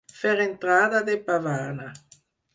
Fer entrada de pavana.